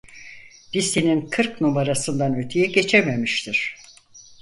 Listenin kırk numarasından öteye geçememiştir.